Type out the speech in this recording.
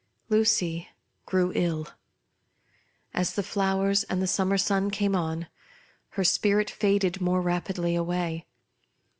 Lucy grew ill. As the flowers and the summer sun came on, her spirit faded more rapidly away.